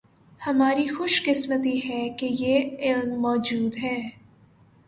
ہماری خوش قسمتی ہے کہ یہ علم موجود ہے